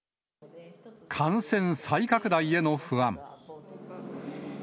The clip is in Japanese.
感染再拡大への不安。